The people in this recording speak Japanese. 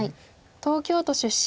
東京都出身。